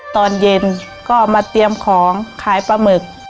ตอนเย็นก็มาเตรียมของขายปลาหมึก